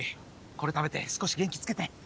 これ食べて少し元気つけて。